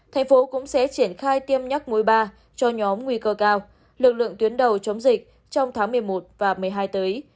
thành phố cũng sẽ triển khai tiêm nhắc mối ba cho nhóm nguy cơ cao lực lượng tuyến đầu chống dịch trong tháng một mươi một và một mươi hai tới